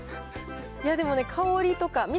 いやでもね、香りとか。